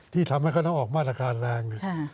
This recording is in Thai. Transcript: ที่ทำให้เขาต้องออกมาตรการแรง